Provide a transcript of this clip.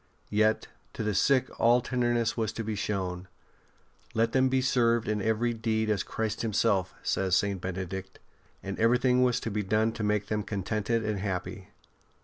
Yet to the sick all tenderness was to be shown. *' Let them be served in very deed as Christ Himself," says St. Bene dict ; and everything was to be done to make them contented and happy.